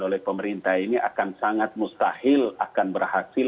lizzo yang ahi ini juga ga tau kalau ancora ada apa